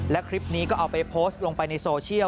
และคลิปนี้ก็เอาไปโพสต์ลงไปในโซเชียล